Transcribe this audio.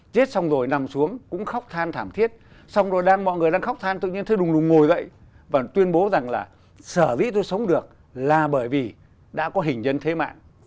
chết xong rồi nằm xuống cũng khóc than thảm thiết xong rồi mọi người đang khóc than tự nhiên thế đùng đùng ngồi vậy và tuyên bố rằng là sở dĩ tôi sống được là bởi vì đã có hình dân thế mạng